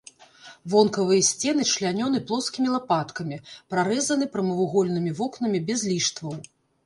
Вонкавыя сцены члянёны плоскімі лапаткамі, прарэзаны прамавугольнымі вокнамі без ліштваў.